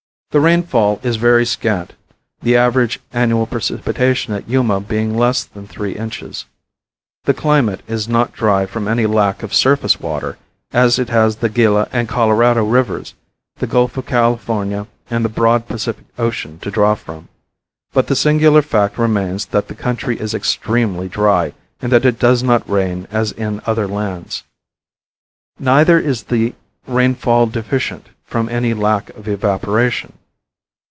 The rainfall is very scant the average annual precipitation at Yuma being less than three inches. The climate is not dry from any lack of surface water, as it has the Gila and Colorado rivers, the Gulf of California and the broad Pacific Ocean to draw from. But the singular fact remains that the country is extremely dry and that it does not rain as in other lands. Neither is the rainfall deficient from any lack of evaporation.